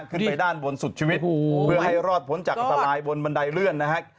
ขึ้นไปด้านบนสุดชีวิตเพื่อให้รอดพ้นจากอันตรายบนบันไดเลื่อนนะฮะ